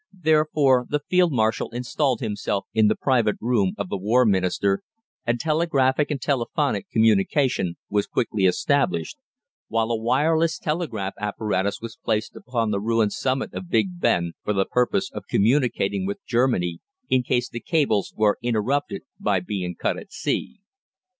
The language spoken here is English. Therefore the Field Marshal installed himself in the private room of the War Minister, and telegraphic and telephonic communication was quickly established, while a wireless telegraph apparatus was placed upon the ruined summit of Big Ben for the purpose of communicating with Germany, in case the cables were interrupted by being cut at sea.